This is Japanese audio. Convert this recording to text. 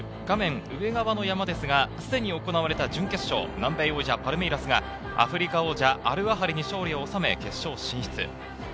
画面上側の山ですが、すでに行われた準決勝、南米王者パルメイラスがアフリカ王者アルアハリに勝利を収め、決勝進出。